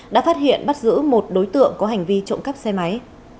đã phát hiện bắt giữ một đối tượng có hành vi trộm cắp xe máy